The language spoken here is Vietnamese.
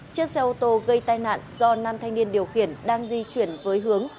chiếc xe ô tô gây tai nạn do nam thanh niên điều khiển đang di chuyển với hướng